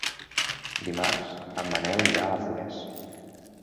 Dimarts en Manel irà a Forès.